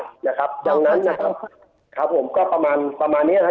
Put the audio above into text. อย่างนั้นนะครับครับผมก็ประมาณนี้นะครับ